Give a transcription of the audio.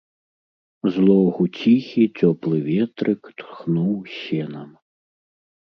З логу ціхі, цёплы ветрык тхнуў сенам.